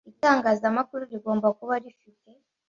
itangazamakuru rigomba kuba rifite